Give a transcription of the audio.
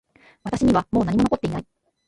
私にはもう何も残っていない